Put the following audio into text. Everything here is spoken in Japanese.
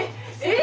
え！